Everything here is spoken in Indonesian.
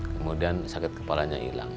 kemudian sakit kepalanya hilang